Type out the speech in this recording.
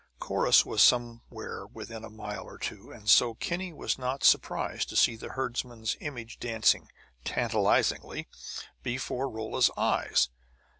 Corrus was somewhere within a mile or two, and so Kinney was not surprised to see the herdsman's image dancing, tantalizingly, before Rolla's eyes.